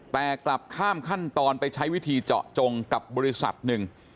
แต่กลับข้ามขั้นตอนไปใช้วิธีเจาะจงกับบริษัทหนึ่ง